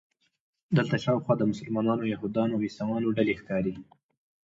دلته شاوخوا د مسلمانانو، یهودانو او عیسویانو ډلې ښکاري.